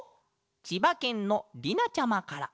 ちばけんの「りな」ちゃまから。